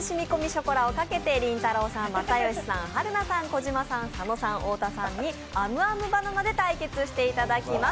ショコラを賭けてりんたろーさん、又吉さん、春菜さん、小島さん、佐野さん、太田さんにあむあむバナナで対決していただきます。